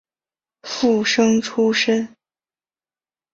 附生出身。